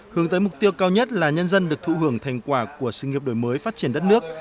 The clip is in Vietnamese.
hướng tới mục tiêu cao nhất là nhân dân được thụ hưởng thành quả của sự nghiệp đổi mới phát triển đất nước